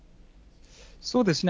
そうですね。